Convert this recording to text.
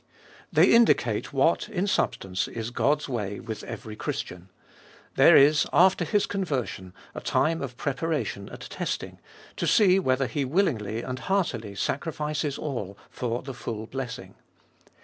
They indicate what, in substance, is God's way with every Christian.1 There is, after his conversion, a time of preparation and testing, to see whether he willingly and heartily sacrifices all for the full blessing.